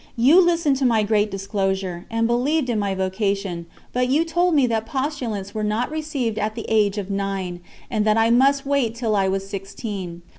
You listened to my great disclosure, and believed in my vocation, but you told me that postulants were not received at the age of nine, and that I must wait till I was sixteen.